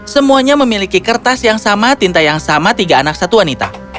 semuanya memiliki kertas yang sama tinta yang sama tiga anak satu wanita